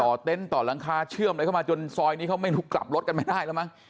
เต็นต์ต่อหลังคาเชื่อมอะไรเข้ามาจนซอยนี้เขาไม่รู้กลับรถกันไม่ได้แล้วมั้ง